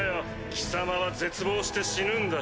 貴様は絶望して死ぬんだ。